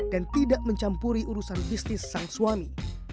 dan tidak mencampuri urusan bisnis sang suami